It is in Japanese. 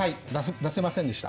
出せませんでした。